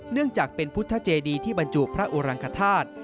เนื่องจากเป็นพุทธเจดีที่บรรจุพระอุรังคธาตุ